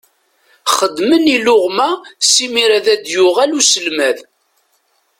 Xedmem iluɣma simira ad d-yuɣal uselmad.